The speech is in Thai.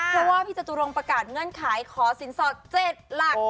เพราะว่าพี่จตุรงประกาศเงื่อนไขขอสินสอด๗หลัก